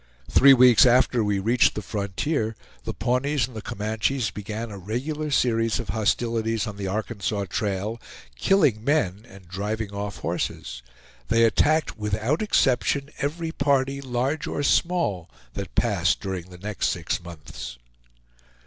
Three weeks after we reached the frontier the Pawnees and the Comanches began a regular series of hostilities on the Arkansas trail, killing men and driving off horses. They attacked, without exception, every party, large or small, that passed during the next six months.